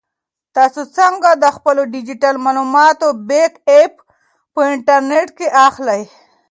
تاسو څنګه د خپلو ډیجیټل معلوماتو بیک اپ په انټرنیټ کې اخلئ؟